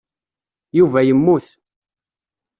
Yuba yemmut.